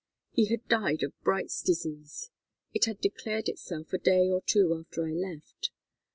He had died of Bright's disease. It had declared itself a day or two after I left.